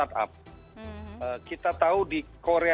kita ingin menggunakan perusahaan yang berbeda